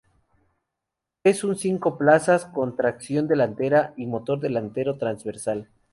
Es un cinco plazas con tracción delantera y motor delantero transversal.